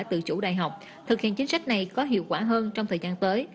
tự chủ đại học thực hiện chính sách này có hiệu quả hơn trong thời gian tới